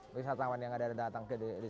wisatawan yang ada datang ke desa